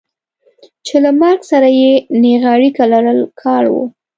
چې له مرګ سره یې نېغه اړیکه لرل کار و.